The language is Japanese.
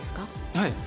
はい。